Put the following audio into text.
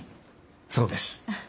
そうです。